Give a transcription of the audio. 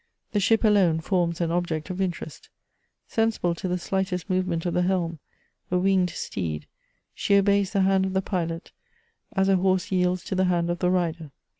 The ship alone forms an object of interest ; sensible to the slightest movement of the helm, a winged steed, she obeys the hand of the pilot, as a horse yields to the hand of the rider.